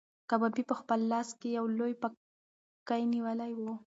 کبابي په خپل لاس کې یو لوی پکی نیولی و.